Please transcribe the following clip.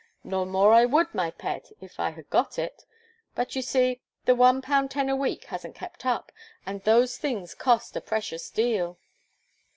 "No more I would, my pet, if I had got it; but you see, the one pound ten a week hasn't kept up; and those things cost a precious deal."